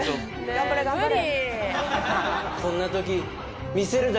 頑張れ頑張れ。